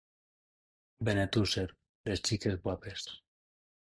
Benetússer, les xiques guapes.